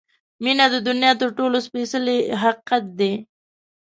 • مینه د دنیا تر ټولو سپېڅلی حقیقت دی.